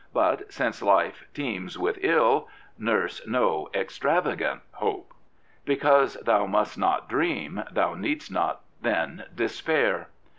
But, since life teems with ill, Nurse no extravagant hope. Because thou must not dream, thou ne^dst not then despair.